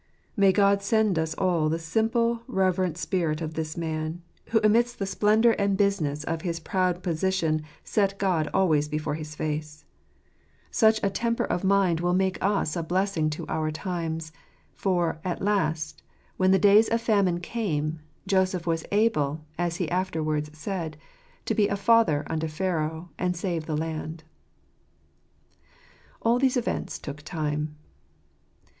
May God send us all the simple reverent spirit of this man, who amidst the spendour and business of his proud posi tion set God always before his face ! Such a temper of JJactrb'js <$mf. 81 mind will make us a blessing to our times ; for, at last, when the days of famine came, Joseph was able, as he afterwards said, to be a " father " unto Pharaoh, and to save the land. All these events took time.